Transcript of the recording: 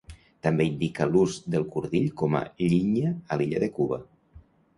També indica l'ús del cordill com a llinya a l'illa de Cuba.